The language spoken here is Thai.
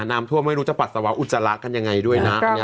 น้ำท่วมไม่รู้จะปัสสาวะอุจจาระกันยังไงด้วยนะ